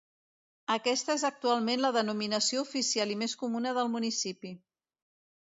Aquesta és actualment la denominació oficial i més comuna del municipi.